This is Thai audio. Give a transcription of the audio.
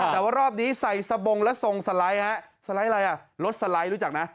แต่ว่ารอบนี้ใส่สบงแล้วทรงสไลด์ฮะสไลด์อะไรอ่ะรถสไลด์รู้จักนะ